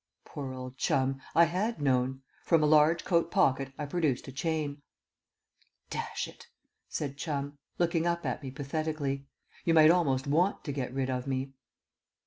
Poor old Chum; I had known. From a large coat pocket I produced a chain. "Dash it," said Chum, looking up at me pathetically, "you might almost want to get rid of me."